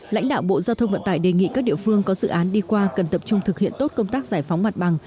lãnh đạo bộ giao thông vận tải đề nghị các địa phương có dự án đi qua cần tập trung thực hiện tốt công tác giải phóng mặt bằng